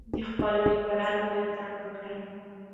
د خپلو لیکوالانو ملاتړ وکړئ.